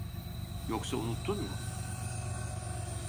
Yoksa unuttun mu?